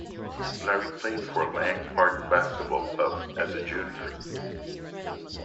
Larry played for Lang Park Basketball club as a junior.